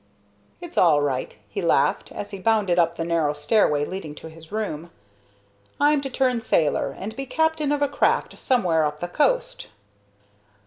"It's all right," he laughed, as he bounded up the narrow stairway leading to his room. "I'm to turn sailor, and be captain of a craft somewhere up the coast."